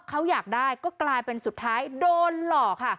เขาอยากได้ก็กลายเป็นสุดท้ายโดนหลอกค่ะ